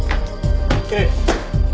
ええ。